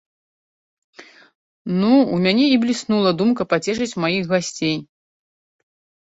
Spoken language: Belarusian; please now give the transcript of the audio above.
Ну, у мяне і бліснула думка пацешыць маіх гасцей.